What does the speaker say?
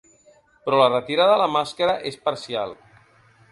Però la retirada de la màscara és parcial.